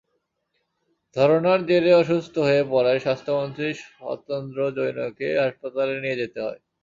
ধরনার জেরে অসুস্থ হয়ে পড়ায় স্বাস্থ্যমন্ত্রী সত্যেন্দ্র জৈনকে হাসপাতালে নিয়ে যেতে হয়।